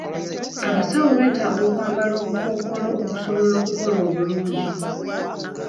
Abasawo beetaaga okwambala obukookolo okusobola okukola obulungi.